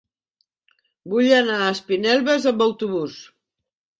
Vull anar a Espinelves amb autobús.